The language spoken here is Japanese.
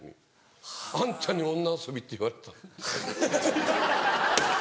「あんたに女遊びって言われた」って。